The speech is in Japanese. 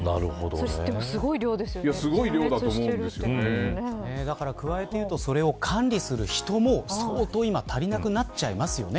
でもすごい量ですよねだから加えて言うとそれを管理する人も相当、今足りなくなっちゃいますよね。